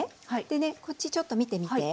でねこっちちょっと見てみて。